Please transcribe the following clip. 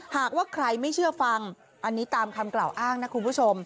หากว่าใครไม่เชื่อฟังอันนี้ตามคำกล่าวอ้างนะคุณผู้ชม